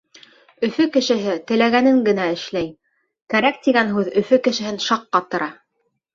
Өфө кешеһе теләгәнен генә эшләй. Кәрәк тигән һүҙ Өфө кешеһен шаҡ ҡатыра.